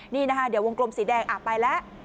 นี่นะคะเดี๋ยววงกลมสีแดงไปแล้ว